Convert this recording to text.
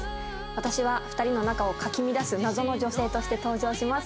私は２人の仲をかき乱す謎の女性として登場します